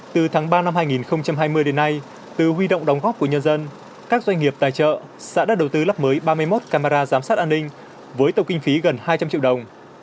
từ tháng ba năm hai nghìn hai mươi đến nay từ huy động đóng góp của nhân dân các doanh nghiệp tài trợ xã đã đầu tư lắp mới ba mươi một camera giám sát an ninh với tổng kinh phí gần hai trăm linh triệu đồng